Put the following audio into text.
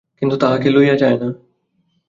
কিন্তু তাহকে লইয়া যায় না।